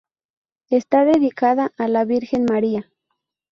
Está dedicada a la Virgen María.